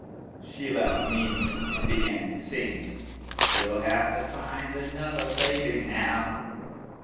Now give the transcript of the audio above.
She laughed meanly and began to sing, "You 'll have to find another baby now."